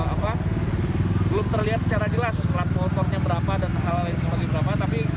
apa belum terlihat secara jelas pelat motornya berapa dan hal lain sebagainya berapa tapi